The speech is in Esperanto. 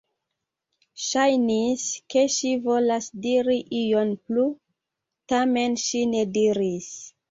Ŝajnis, ke ŝi volas diri ion plu, tamen ŝi ne diris.